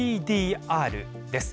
ＤＤＲです。